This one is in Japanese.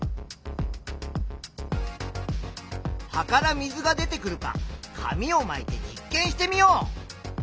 葉から水が出てくるか紙をまいて実験してみよう。